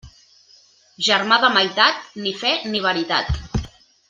Germà de meitat, ni fe ni veritat.